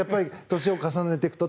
年を重ねていくと。